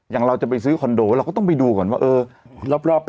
อย่างเราจะไปซื้อคอนโดเราก็ต้องไปดูก่อนว่าเออรอบ